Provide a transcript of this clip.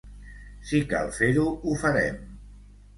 Si cal fer-ho, ho farem.